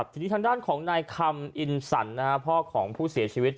ทีนี้ทางด้านของนายคำอินสันพ่อของผู้เสียชีวิต